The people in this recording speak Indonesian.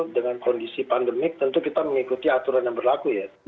dengan kondisi pandemik tentu kita mengikuti aturan yang berlaku ya